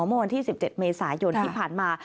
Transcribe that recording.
เมื่อวันที่๑๗เมษายนที่ผ่านมา